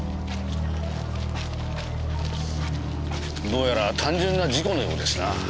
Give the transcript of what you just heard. どうやら単純な事故のようですな。